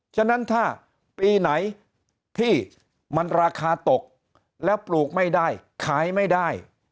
ฉะนั้นถ้าปีไหนที่มันราคาตกแล้วปลูกไม่ได้ขายไม่ได้